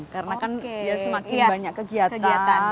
karena kan semakin banyak kegiatan